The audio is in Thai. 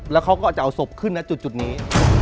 แล้วเขาก็จะเอาศพขึ้นนะจุดนี้